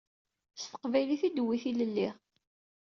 S teqbaylit i d-tewwi tilelli.